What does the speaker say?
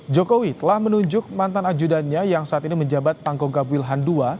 jokowi telah menunjuk mantan ajudannya yang saat ini menjabat pangkoga wilhan ii